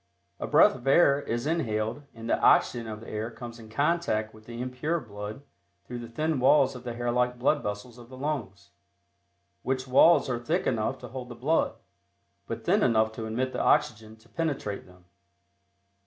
A breath of air is inhaled and the oxygen of the air comes in contact with the impure blood through the thin walls of the hair like blood vessels of the lungs, which walls are thick enough to hold the blood, but thin enough to admit the oxygen to penetrate them.